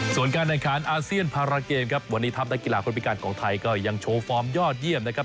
ส่วนการแข่งขันอาเซียนพาราเกมครับวันนี้ทัพนักกีฬาคนพิการของไทยก็ยังโชว์ฟอร์มยอดเยี่ยมนะครับ